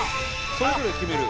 それぞれ決める？